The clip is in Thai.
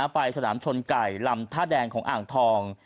ไปสนามชนไก่ลำท่าแดงของอ่างทอง